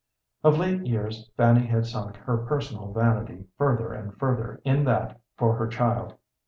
Of late years Fanny had sunk her personal vanity further and further in that for her child.